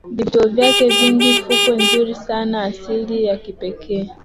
Vivutio vyake vingi fukwe nzuri sana asili ya kipekee